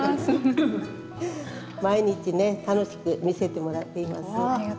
毎日楽しく見させてもらっています。